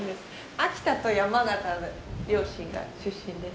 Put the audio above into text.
秋田と山形の両親が出身です。